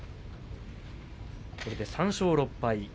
これで３勝６敗。